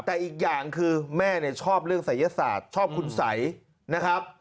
แต่อีกอย่างคือแม่เนี่ยชอบเรื่องศัยศาสตร์ชอบคุณสัยนะครับ